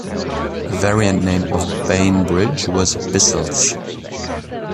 A variant name of Bainbridge was "Bissells".